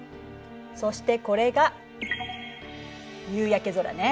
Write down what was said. そしてこれが夕焼け空ね。